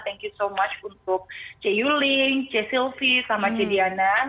thank you so much untuk c yuling c sylvie sama cdanan